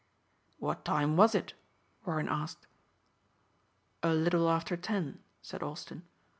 "What time was it?" Warren asked. "A little after ten," said Austin.